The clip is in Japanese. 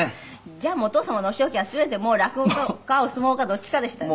じゃあお父様のお仕置きは全て落語かお相撲かどっちかでしたね。